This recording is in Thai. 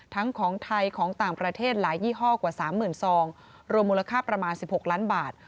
ของไทยของต่างประเทศหลายยี่ห้อกว่า๓๐๐๐ซองรวมมูลค่าประมาณ๑๖ล้านบาท